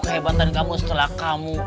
kehebatan kamu setelah kamu